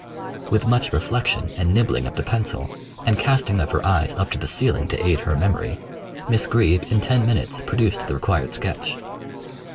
With much reflection and nibbling of the pencil, and casting of her eyes up to the ceiling to aid her memory, Miss Greeb in ten minutes produced the required sketch.